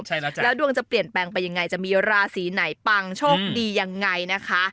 ใช่แล้วจ้แล้วดวงจะเปลี่ยนแปลงไปยังไงจะมีราศีไหนปังโชคดียังไงนะคะ